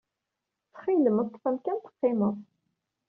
Ttxil-m, ḍḍef amkan teqqimeḍ!